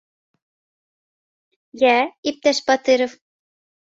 — Йә, иптәш Батыров.